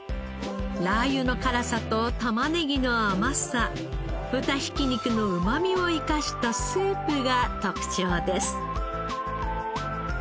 ラー油の辛さとタマネギの甘さ豚ひき肉のうまみを生かしたスープが特徴です。